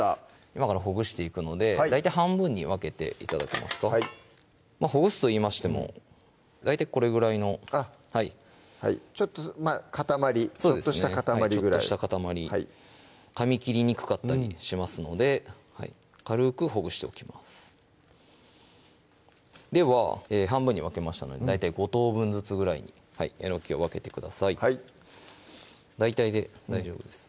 今からほぐしていくので大体半分に分けて頂けますかほぐすといいましても大体これぐらいのはいちょっとまぁ塊ちょっとした塊ぐらいかみ切りにくかったりしますので軽くほぐしておきますでは半分に分けましたので大体５等分ずつぐらいにえのきを分けてください大体で大丈夫です